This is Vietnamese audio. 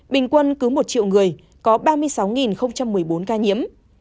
bình quân cứ một triệu người có ba mươi sáu một mươi bốn ca nhiễm